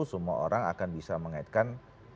semua orang akan bisa mengaitkan